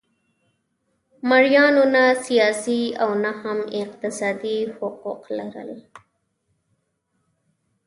مریانو نه سیاسي او نه هم اقتصادي حقوق لرل.